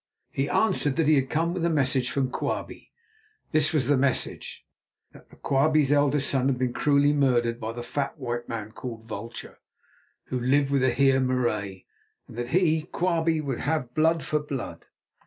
He answered that he had come with a message from Quabie. This was the message: that Quabie's eldest son had been cruelly murdered by the fat white man called "Vulture" who lived with the Heer Marais, and that he, Quabie, would have blood for blood.